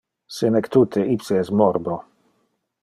Senectute ipse es morbo.